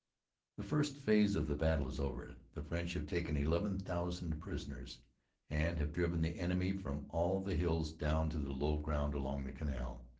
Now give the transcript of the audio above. The first phase of the battle is over. The French have taken eleven thousand prisoners, and have driven the enemy from all the hills down to the low ground along the canal.